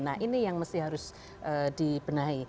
nah ini yang mesti harus dibenahi